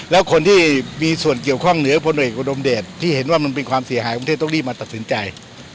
แล้วคนที่มีส่วนเกี่ยวข้องเหนือพลเอกอุดมเดชที่เห็นว่ามันเป็นความเสียหายกรุงเทพต้องรีบมาตัดสินใจ